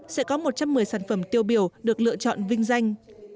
sẽ có một trăm một mươi sản phẩm tiêu biểu được lựa chọn vinh danh